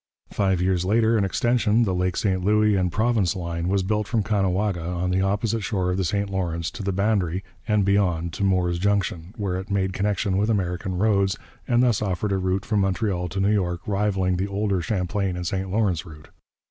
Five years later an extension, the Lake St Louis and Province Line, was built from Caughnawaga, on the opposite shore of the St Lawrence, to the boundary and beyond to Mooer's Junction, where it made connection with American roads, and thus offered a route from Montreal to New York rivalling the older Champlain and St Lawrence route.